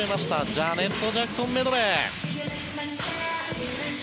「ジャネット・ジャクソンメドレー」。